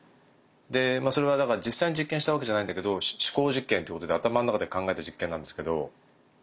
でそれはだから実際に実験したわけじゃないんだけど思考実験ということで頭の中で考えた実験なんですけどで